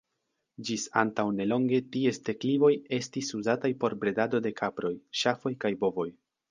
Ĝis antaŭ nelonge, ties deklivoj estis uzataj por bredado de kaproj, ŝafoj kaj bovoj.